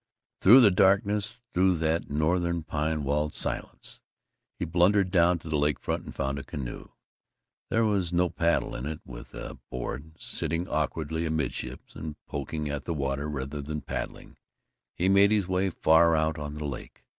Through the darkness, through that Northern pine walled silence, he blundered down to the lake front and found a canoe. There were no paddles in it but with a board, sitting awkwardly amidships and poking at the water rather than paddling, he made his way far out on the lake.